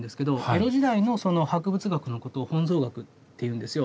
江戸時代の博物学のことを本草学っていうんですよ。